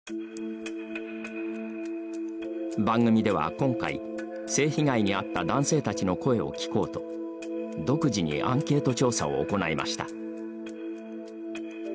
番組では今回、性被害に遭った男性たちの声を聞こうと独自にアンケート調査を行いました。